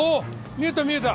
見えた見えた。